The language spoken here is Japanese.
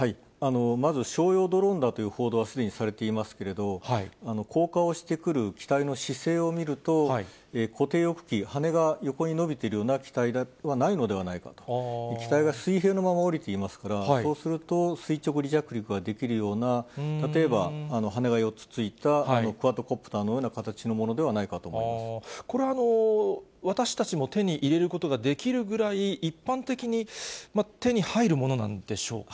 まず商用ドローンだという報道はすでにされていますけれども、降下をしてくる機体の姿勢を見ると、固定翼機、はねが横に伸びているような機体ではないのではないかと、機体が水平のまま下りていますから、そうすると、垂直離着陸ができるような、例えば羽が４つついたクワッドコプターのようなものではないかとこれは私たちも手に入れることができるぐらい、一般的に手に入るものなんでしょうか。